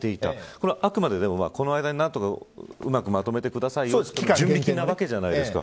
これはあくまで、この間に何とかうまくまとめてくださいよという準備金なわけじゃないですか。